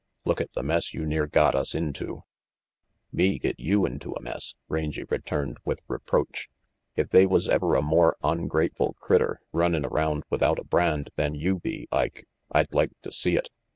Look at the mess you near got us into "Me get you into a mess," Rangy returned with reproach. "If they was ever a more ongrateful critter runnin' around without a brand than you be, Ike, I'd like to see it.